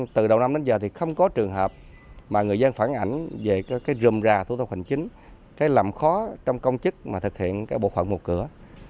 từ đầu năm đến giờ thì không có trường hợp mà người dân phản ảnh về cái rùm rà thủ tục hình chính cái lầm khó trong công chức mà thực hiện cái bộ phận một cửa